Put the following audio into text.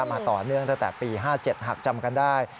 มาต่อเนื่องตั้งแต่ปี๕๗หากจำกันได้